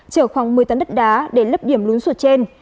chở khoảng một mươi tấn đất đá để lấp điểm lún sụt trên